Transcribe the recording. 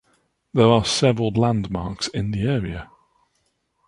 There are several landmarks in the area.